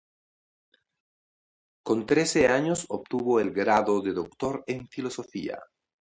Con trece años obtuvo el grado de doctor en filosofía.